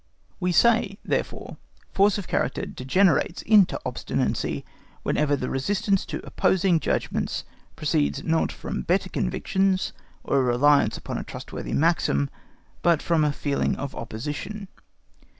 We say, therefore, force of character degenerates into obstinacy whenever the resistance to opposing judgments proceeds not from better convictions or a reliance upon a trustworthy maxim, but from a feeling of opposition.